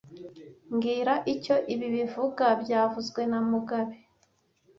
Mbwira icyo ibi bivuga byavuzwe na mugabe